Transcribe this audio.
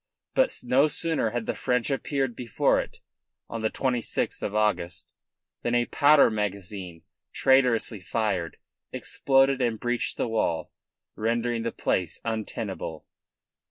But no sooner had the French appeared before it, on the 26th August, than a powder magazine traitorously fired exploded and breached the wall, rendering the place untenable.